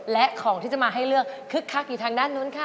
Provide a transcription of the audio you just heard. และของที่จะมาให้เลือกคึกคักอยู่ทางด้านนู้นค่ะ